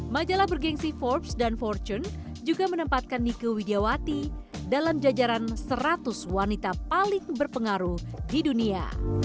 majalah bergensi forbes dan fortune juga menempatkan nike widjawati dalam jajaran seratus wanita paling berpengaruh di dunia